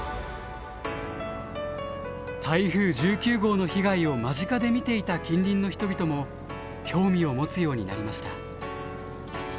台風１９号の被害を間近で見ていた近隣の人々も興味を持つようになりました。